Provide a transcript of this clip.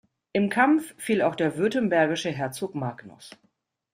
Im Kampf fiel auch der württembergische Herzog Magnus.